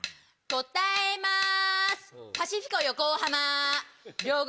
答えます。